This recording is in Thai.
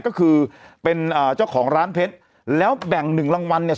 ก็คือเป็นอ่าเจ้าของร้านเพชรแล้วแบ่งหนึ่งรางวัลเนี่ย